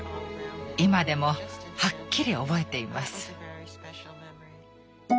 今でもはっきり覚えています。